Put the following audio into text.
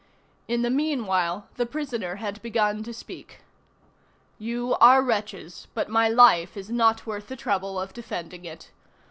In the meanwhile, the prisoner had begun to speak:— "You are wretches, but my life is not worth the trouble of defending it.